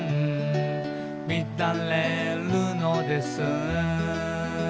「みだれるのです」